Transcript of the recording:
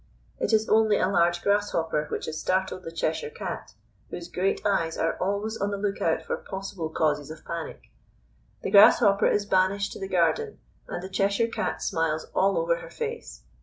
It is only a large grasshopper which has startled the Cheshire Cat, whose great eyes are always on the look out for possible causes of panic. The grasshopper is banished to the garden and the Cheshire Cat smiles all over her face.